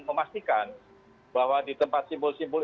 memastikan bahwa di tempat simbol simbol